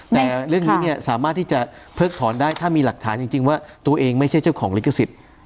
แต่เรื่องนี้เนี่ยสามารถที่จะเพิกถอนได้ถ้ามีหลักฐานจริงว่าตัวเองไม่ใช่เจ้าของลิขสิทธิ์